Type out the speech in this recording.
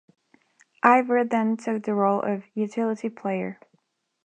Aybar then took the role of utility player.